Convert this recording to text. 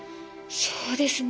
そうですね。